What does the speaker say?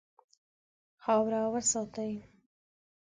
خاوره وساتئ.